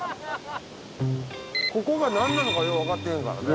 ここが何なのかようわかってへんからね。